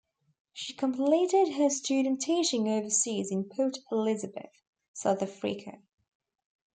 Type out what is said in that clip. She completed her student teaching overseas in Port Elizabeth, South Africa.